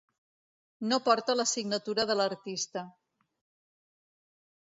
No porta la signatura de l'artista.